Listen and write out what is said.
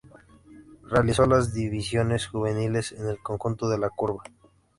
Realizó las divisiones juveniles en el conjunto de la curva.